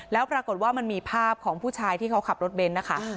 แล้วปรากฏว่ามันมีภาพของผู้ชายที่เขาขับรถเบนท์นะคะ